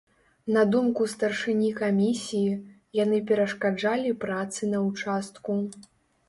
На думку старшыні камісіі, яны перашкаджалі працы на участку.